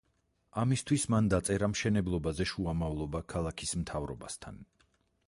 ამისათვის მან დაწერა მშენებლობაზე შუამავლობა ქალაქის მთავრობასთან.